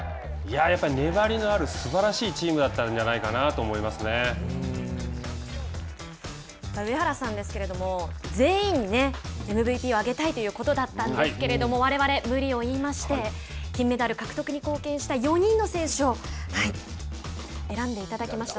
やっぱり粘りのあるすばらしいチームだったんじゃな上原さんですけれども全員にねＭＶＰをあげたいということだったんですけれどもわれわれ、無理を言いまして金メダル獲得に貢献した４人の選手を選んでいただきました。